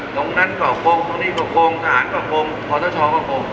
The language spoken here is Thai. ตรงนั้นก็โกงตรงนี้ก็โกงทหารก็โกงพอร์เตอร์ชอว์ก็โกง